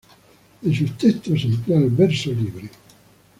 En sus textos emplea el verso libre.